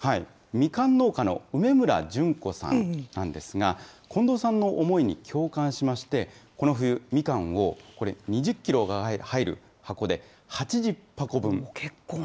ミカン農家の梅村淳子さんなんですが、近藤さんの思いに共感しまして、この冬、ミカンを、これ、２０キロが入る箱で８０箱分。